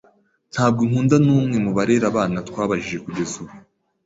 Ntabwo nkunda numwe mubarera abana twabajije kugeza ubu.